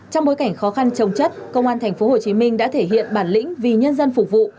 trong bối cảnh khó khăn trồng chất công an tp hcm đã thể hiện bản lĩnh vì nhân dân phục vụ